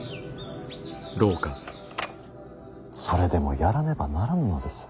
それでもやらねばならぬのです。